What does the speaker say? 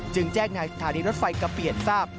จึงแจ้งงานฐานีรถไฟกับเปลี่ยนทราบ